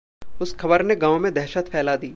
उस खबर ने गाँव में दहशत फैला दी।